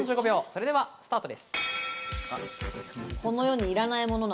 それではスタート。